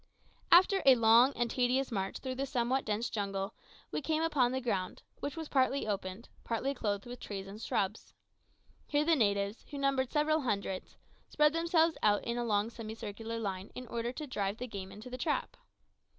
After a long and tedious march through somewhat dense jungle, we came upon the ground, which was partly open, partly clothed with trees and shrubs. Here the natives, who numbered several hundreds, spread themselves out in a long semicircular line, in order to drive the game into the trap.